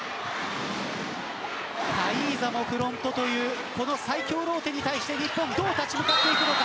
タイーザもフロントという最強ローテに対して日本はどう立ち向かっていくのか。